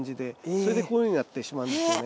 それでこういうふうになってしまうんですよね。